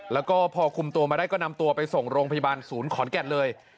แล้วก็พอคุมตัวมาได้ก็นำตัวไปส่งโรงพยาบาลศูนย์ขอนแก่นเลย